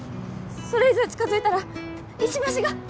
それ以上近づいたら石橋が！